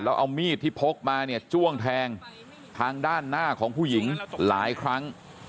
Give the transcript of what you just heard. แล้วเอามีดที่พกมาเนี่ยจ้วงแทงทางด้านหน้าของผู้หญิงหลายครั้ง